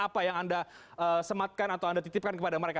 apa yang anda sematkan atau anda titipkan kepada mereka